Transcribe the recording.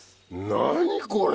何これ！